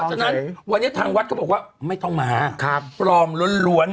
ฉะนั้นวันนี้ทางวัดเขาบอกว่าไม่ต้องมาปลอมล้วน